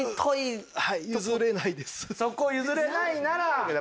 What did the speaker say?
そこを譲れないなら。